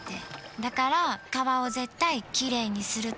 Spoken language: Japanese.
だから川を絶対きれいにするって。